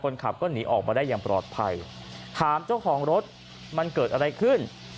ขับก็หนีออกมาได้อย่างปลอดภัยถามเจ้าของรถมันเกิดอะไรขึ้น